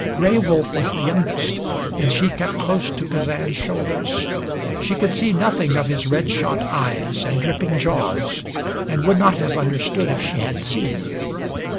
Gray Wolf was the youngest, and she kept close to Kazan's shoulders. She could see nothing of his red shot eyes and dripping jaws, and would not have understood if she had seen.